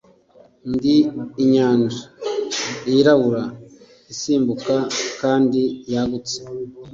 Ndi inyanja yirabura isimbuka kandi yagutse